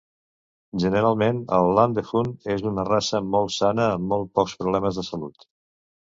Generalment el Lundehund és una raça molt sana amb molt pocs problemes de salut.